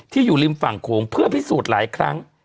อยู่ริมฝั่งโขงเพื่อพิสูจน์หลายครั้ง